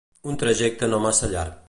Un trajecte no massa llarg.